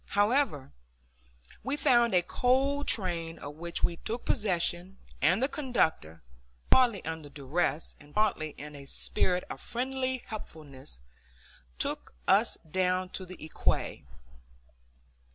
However, we found a coal train, of which we took possession, and the conductor, partly under duress and partly in a spirit of friendly helpfulness, took us down to the quay.